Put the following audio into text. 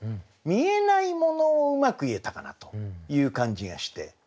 見えないものをうまく言えたかなという感じがして。